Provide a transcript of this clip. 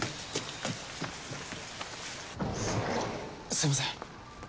すいません。